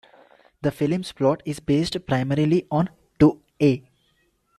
The film's plot is based primarily on two A.